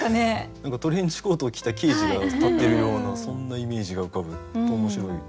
何かトレンチコートを着た刑事が立ってるようなそんなイメージが浮かぶと面白い。